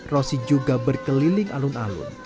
rosi juga berkeliling alun alun